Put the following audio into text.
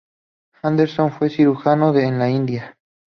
Anderson fue cirujano en la India.